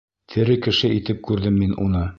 Тере кеше итеп күрҙем мин уны.